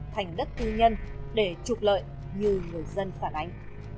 thành đất tư nhân để trục lợi như người dân phản ánh